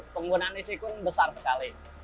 penggunaan isi pun besar sekali